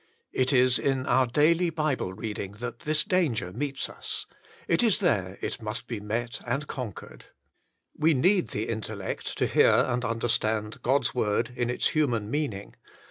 ^^ It is in our daily Bible reading that this danger meets us; it is there it must be met and conquered. We need the intellect to hear and understand God's Word in its human meaning.